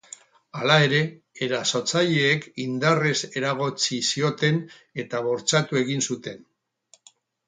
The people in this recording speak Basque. Hala ere, erasotzaileek indarrez eragotzi zioten, eta bortxatu egin zuten.